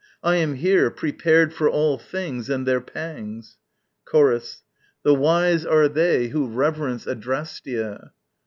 I am here, prepared For all things and their pangs. Chorus. The wise are they Who reverence Adrasteia.